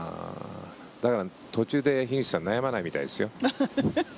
だから途中で樋口さん悩まないみたいですよ。